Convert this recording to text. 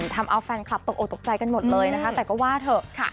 ทำเอาแฟนคลับตกออกตกใจกันหมดเลยนะคะแต่ก็ว่าเถอะ